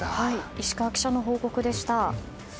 石川記者の報告でした。